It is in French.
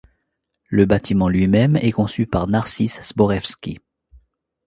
Le bâtiment lui-même est conçu par Narcyz Zborzewski.